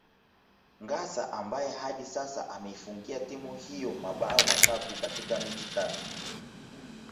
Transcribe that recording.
Ngassa ambaye hadi sasa ameifungia timu hiyo mambao matatu katika mechi tatu